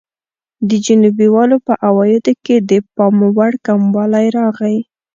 د جنوبي والو په عوایدو کې د پاموړ کموالی راغی.